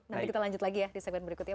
nanti kita lanjut lagi ya di segmen berikutnya